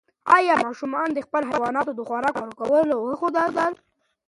ایا ماشومانو ته مو د حیواناتو د خوراک ورکولو وښودل؟